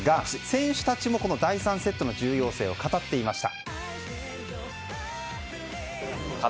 選手たちも第３セットの重要性を語っていました。